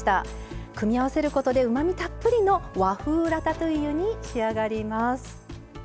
組み合わせることでうまみたっぷりの和風ラタトゥイユに仕上がります。